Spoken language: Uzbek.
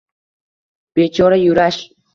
Bechora Yurash!